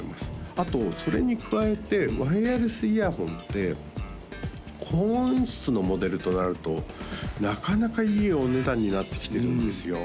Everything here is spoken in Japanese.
あとそれに加えてワイヤレスイヤホンって高音質のモデルとなるとなかなかいいお値段になってきてるんですよ